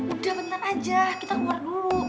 udah bener aja kita keluar dulu